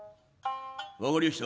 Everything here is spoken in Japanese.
「わかりやした。